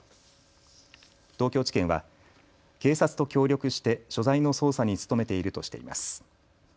東京地検は警察と協力して所在の捜査に努めているとしています。